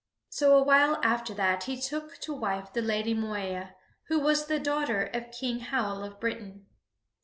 So a while after that he took to wife the Lady Moeya, who was the daughter of King Howell of Britain.